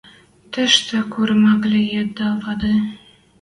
Тӹштӹ курым ак ли йыд дӓ вады